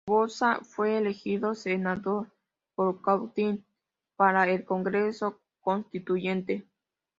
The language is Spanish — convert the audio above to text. Barbosa fue elegido Senador por Cautín para el Congreso Constituyente.